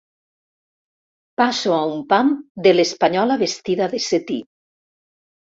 Passo a un pam de l'espanyola vestida de setí.